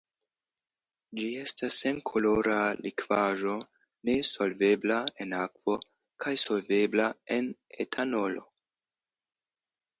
Ĝi estas senkolora likvaĵo nesolvebla en akvo kaj solvebla en etanolo.